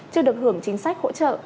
chưa được hưởng chính sách hỗ trợ